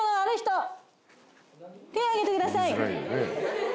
手挙げてください。